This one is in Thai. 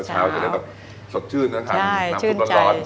เช้าเขาจะได้สดชื่นนะท่าน